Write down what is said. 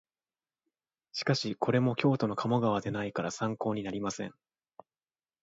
しかしこれも京都の鴨川ではないから参考になりません